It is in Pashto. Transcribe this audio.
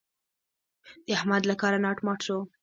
د احمد له کاره ناټ مات شو.